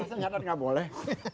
saya nyatat gak boleh